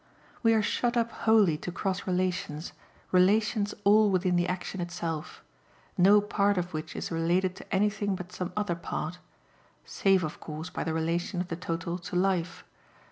We are shut up wholly to cross relations, relations all within the action itself; no part of which is related to anything but some other part save of course by the relation of the total to life.